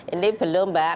ini belum mbak